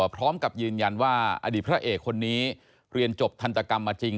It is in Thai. พร้อมกับยืนยันว่าอดีตพระเอกคนนี้เรียนจบทันตกรรมมาจริง